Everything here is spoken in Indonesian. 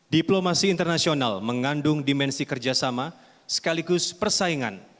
diplomasi internasional mengandung dimensi kerjasama sekaligus persaingan